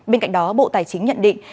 bên cạnh đó bộ tài chính nhận định